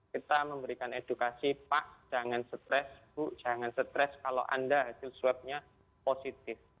kita memberikan edukasi pak jangan stres bu jangan stres kalau anda hasil swabnya positif